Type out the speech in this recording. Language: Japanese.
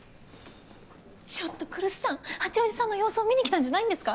ちょっと来栖さん八王子さんの様子を見にきたんじゃないんですか？